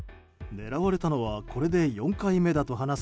狙われたのはこれで４回目だと話す